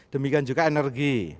demikian juga energi